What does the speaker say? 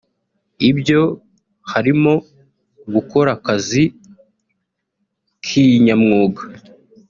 Ibyo harimo gukora akazi kinyamwuga